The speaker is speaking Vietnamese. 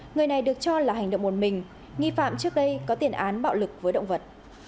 người này được cho là hành động một mình nghi phạm trước đây có tiền án bạo lực với động vật